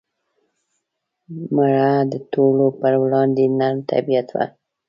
مړه د ټولو پر وړاندې نرم طبیعت وه